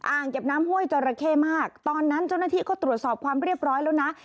เก็บน้ำห้วยจราเข้มากตอนนั้นเจ้าหน้าที่ก็ตรวจสอบความเรียบร้อยแล้วนะ